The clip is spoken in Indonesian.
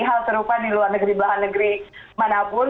hal serupa di luar negeri belahan negeri manapun